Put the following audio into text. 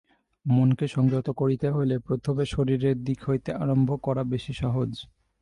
মনকে সংযত করিতে হইলে প্রথমে শরীরের দিক হইতে আরম্ভ করা বেশী সহজ।